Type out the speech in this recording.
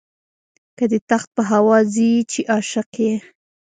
که دي تخت په هوا ځي چې عاشق یې.